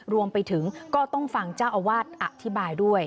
รวมไปถึงก็ต้องฟังเจ้าอาวาสอธิบายด้วย